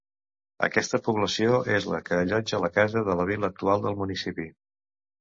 Aquesta població és la que allotja la casa de la vila actual del municipi.